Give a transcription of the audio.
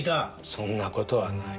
そんな事はない。